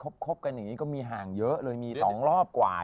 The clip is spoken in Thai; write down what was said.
แต่ถ้าควบคุมทั้งหนึ่งก็มีห่างเยอะ๒รอบกว่า